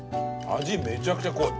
味めちゃくちゃ濃い。